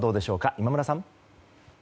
今村さん。